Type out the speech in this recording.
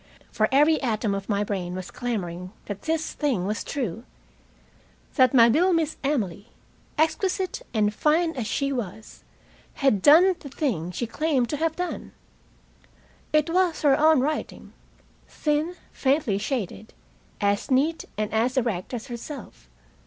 For every atom of my brain was clamoring that this thing was true, that my little Miss Emily, exquisite and fine as she was, had done the thing she claimed to have done. It was her own writing, thin, faintly shaded, as neat and as erect as herself.